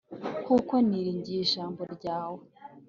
kuko niringiye ijambo ryawe